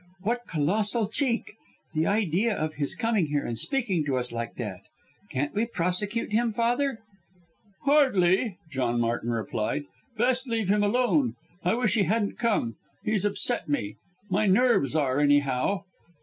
What colossal cheek! The idea of his coming here and speaking to us like that! Can't we prosecute him, Father?" "Hardly!" John Martin replied, "best leave him alone. I wish he hadn't come! He's upset me! My nerves are anyhow!